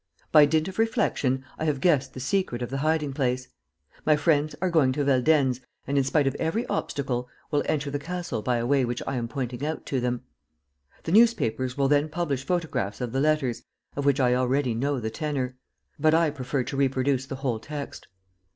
"By dint of reflection, I have guessed the secret of the hiding place. "My friends are going to Veldenz and, in spite of every obstacle, will enter the castle by a way which I am pointing out to them. "The newspapers will then publish photographs of the letters, of which I already know the tenor; but I prefer to reproduce the whole text.